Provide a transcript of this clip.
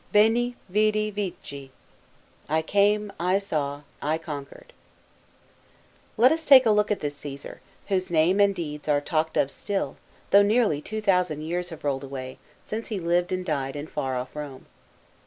" Veni, vidi, vici "" I came, I saw, I conquered." LET us take a look at this Caesar, whose name and deeds are talked of still, though nearly two thousand years have rolled away, since he lived and died in far off Rome.